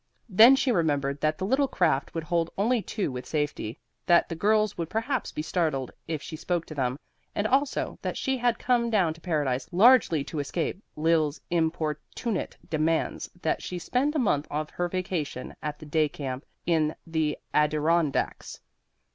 Then she remembered that the little craft would hold only two with safety, that the girls would perhaps be startled if she spoke to them, and also that she had come down to Paradise largely to escape Lil's importunate demands that she spend a month of her vacation at the Day camp in the Adirondacks.